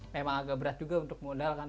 memang agak berat juga untuk modal kan